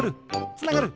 つながる！